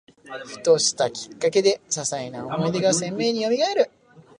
ふとしたきっかけで、ささいな思い出が鮮明によみがえる